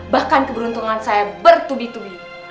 bahkan keberuntungan saya bertubi tubi